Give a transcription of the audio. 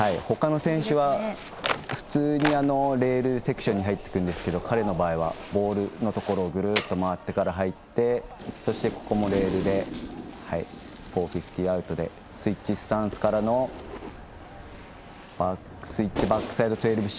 ほかの選手は普通にレールセクションに入っていくんですけど彼の場合はボウルのところをグルッと回ってから入ってレールで４５０アウトでスイッチスタンスからのスイッチバックサイド１２６０